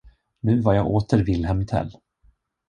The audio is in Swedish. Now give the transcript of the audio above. Nu var jag åter Wilhelm Tell.